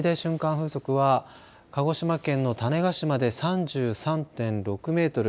風速は鹿児島県の種子島で３３．６メートル